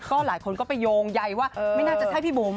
ก็หลายคนก็ไปโยงใยว่าไม่น่าจะใช่พี่บุ๋ม